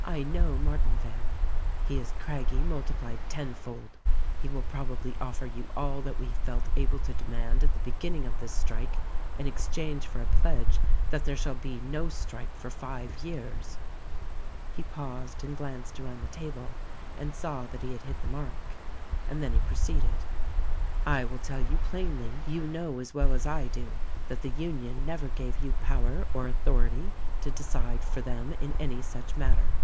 I know Martinvale. He is Craggie multiplied ten fold. He will probably offer you all that we felt able to demand at the beginning of this strike, in exchange for a pledge that there shall be no strike for five years " He paused and glanced around the table and saw that he had hit the mark, and then he proceeded, "I will tell you plainly, you know as well as I do that the Union never gave you power or authority to decide for them in any such mat ter.